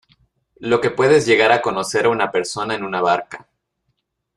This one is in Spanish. lo que puedes llegar a conocer a una persona en una barca